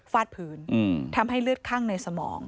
ฟาดพื้นทำให้เลือดข้างในสมอง